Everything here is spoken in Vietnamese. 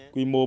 quy mô một nửa